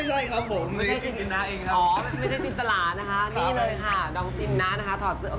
เอค่ะไม่ใช่ครับผมนี่จินนนะเองครับ